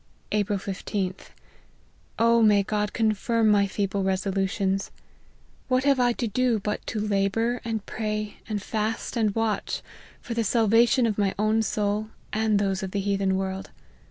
" April 15th. O may God confirm my feeble resolutions ! What have I to do but to labour, and pray, and fast, and watch, for the salvation of my own soul, and those of the heathen world.